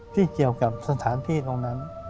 ที่เกี่ยวกับสถานที่ตรงนั้น